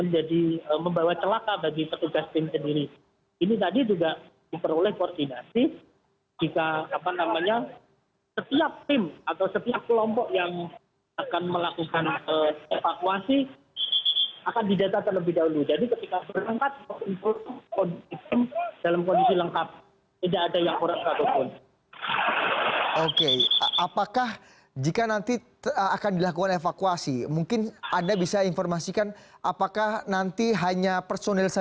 jangan lupa like share dan subscribe channel ini untuk dapat info terbaru